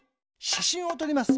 しゃしんをとります。